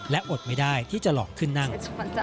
และอดไม่ได้ที่จะหลอกขึ้นนั่ง